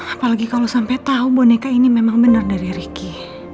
apalagi kalau sampai tau boneka ini memang bener dari riki